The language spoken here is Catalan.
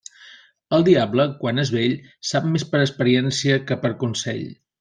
El diable, quan és vell, sap més per experiència que per consell.